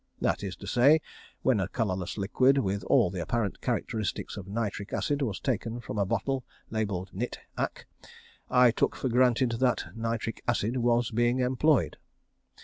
That is to say, when a colourless liquid with all the apparent characteristics of nitric acid was taken from a bottle labelled "Nit. Ac." I took for granted that nitric acid was being employed.